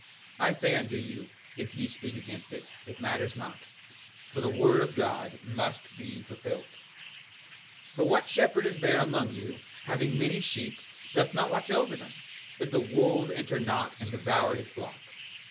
I say unto you, if ye speak against it, it matters not, for the word of God must be fulfilled. 5:59 For what shepherd is there among you having many sheep doth not watch over them, that the wolves enter not and devour his flock?